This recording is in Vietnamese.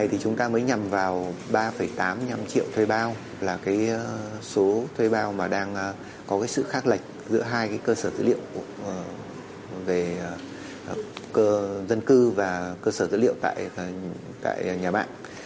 ba tám mươi năm triệu thuê bao là cái số thuê bao mà đang có cái sự khác lệch giữa hai cái cơ sở dữ liệu về dân cư và cơ sở dữ liệu tại nhà mạng